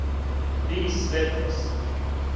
би светлост